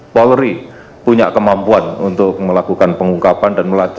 polri punya kemampuan untuk melakukan pengungkapan